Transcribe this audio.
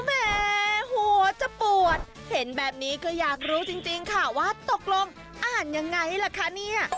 แหมหัวจะปวดเห็นแบบนี้ก็อยากรู้จริงค่ะว่าตกลงอ่านยังไงล่ะคะเนี่ย